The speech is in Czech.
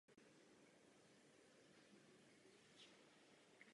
Nezapomínejme, že pro ruské občany je cena víz poloviční.